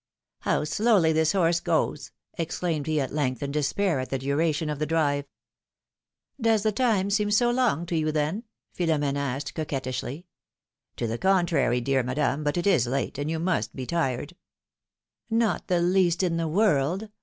How slowly this horse goes ! exclaimed he at length, in despair at the duration of the drive. ^^Does the time seem so long to you, then ?" Philomene asked, coquettish ly. To the contrary, dear Madame ; but it is late, and you must be tired.'^ '^Not the least in the world.